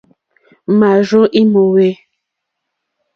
Mârzô í mòwê.